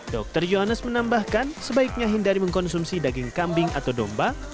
dr yohanes menambahkan sebaiknya hindari mengkonsumsi daging kambing atau domba